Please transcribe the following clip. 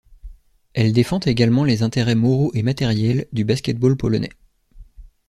Elle défend également les intérêts moraux et matériels du basket-ball polonais.